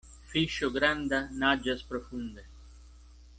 Fiŝo granda naĝas profunde.